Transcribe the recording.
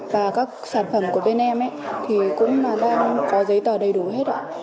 và các sản phẩm của bên em cũng đang có giấy tờ đầy đủ hết